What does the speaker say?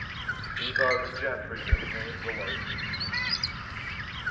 These are the gentry that named the Lake.